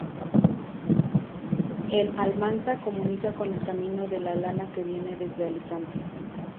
En Almansa comunica con el Camino de la Lana que viene desde Alicante.